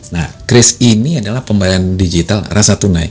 nah kris ini adalah pembayaran digital rasa tunai